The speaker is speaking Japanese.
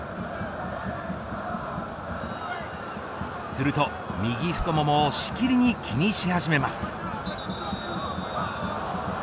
すると右太ももをしきりに気にし始めます。